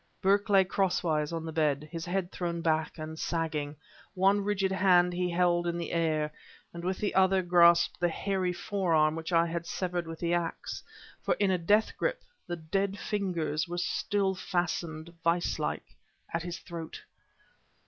Burke lay crosswise on the bed, his head thrown back and sagging; one rigid hand he held in the air, and with the other grasped the hairy forearm which I had severed with the ax; for, in a death grip, the dead fingers were still fastened, vise like, at his throat.